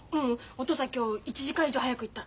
お父さん今日１時間以上早く行った。